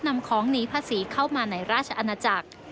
นำของหนีภาษีเข้ามาในราชอาณาจักร